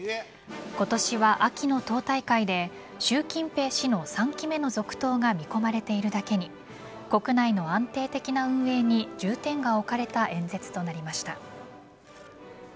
今年は秋の党大会で習近平氏の３期目の続投が見込まれているだけに国内の安定的な運営に重点が置かれた演説となりました。